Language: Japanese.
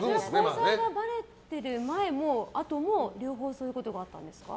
交際がばれてる前もあとも両方そういうことがあったんですか？